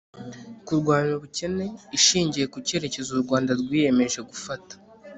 kurwanya ubukene ishingiye ku cyerekezo u rwanda rwiyemeje gufata